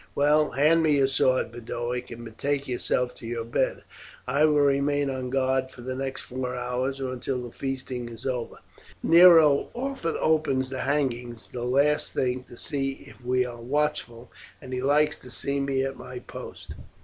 "Well, hand me your sword, Boduoc, and betake yourself to your bed. I will remain on guard for the next four hours, or until the feasting is over. Nero often opens the hangings the last thing to see if we are watchful, and he likes to see me at my post.